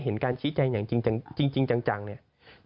การชี้แจงอย่างจริงจังเนี่ย